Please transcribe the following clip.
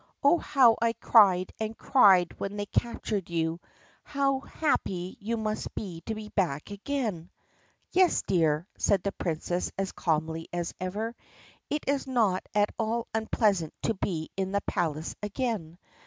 "Oh, how I cried and cried when they captured you ! How happy you must be to be back again !" "Yes, dear," said the Princess as calmly as ever. "It is not at all unpleasant to be in the palace again.